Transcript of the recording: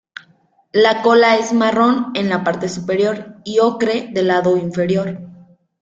La cola es marrón en la parte superior y ocre del lado inferior.